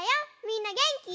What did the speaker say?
みんなげんき？